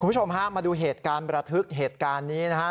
คุณผู้ชมฮะมาดูเหตุการณ์ประทึกเหตุการณ์นี้นะฮะ